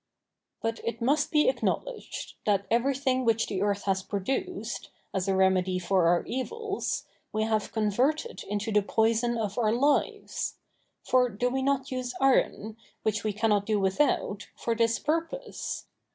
But it must be acknowledged, that everything which the earth has produced, as a remedy for our evils, we have converted into the poison of our lives. For do we not use iron, which we cannot do without, for this purpose?